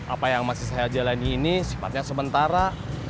apa yang masih saya jalani ini sifatnya sementara